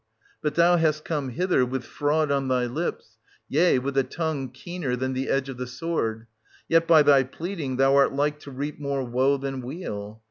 But thou hast come hither with fraud on thy lips, yea, with a tongue keener than the edge of the sword ; yet by thy pleading thou art like to reap more woe than weal.